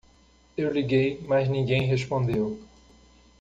Eu liguei, mas ninguém respondeu.